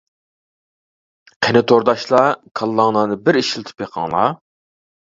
قېنى تورداشلار كاللاڭلارنى بىر ئىشلىتىپ بېقىڭلار.